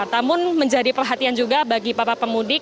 namun menjadi perhatian juga bagi para pemudik